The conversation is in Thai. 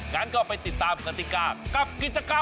งั้นก็ไปติดตามกติกากับกิจกรรม